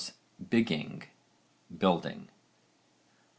bygging, building.